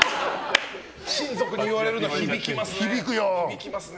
親族に言われるの響きますね。